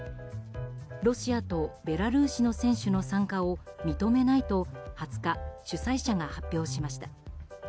ロシアとベラルーシの選手の参加を認めないと２０日、主催者が発表しました。